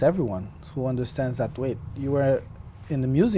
với gia đình của tôi